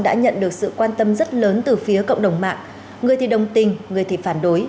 đã nhận được sự quan tâm rất lớn từ phía cộng đồng mạng người thì đồng tình người thì phản đối